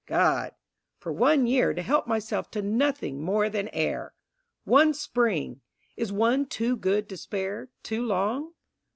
God! For one year To help myself to nothing more than air! One Spring! Is one too good to spare, too long?